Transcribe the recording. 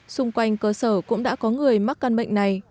xung quanh cơ sở cũng đã có người mắc căn bệnh này